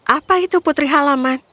apa itu putri halaman